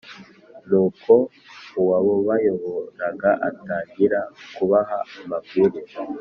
nuko uwabayoboraga atangira kubaha amabwiriza